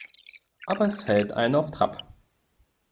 Aber es hält einen auf Trab.